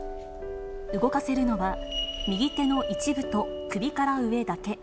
動かせるのは、右手の一部と首から上だけ。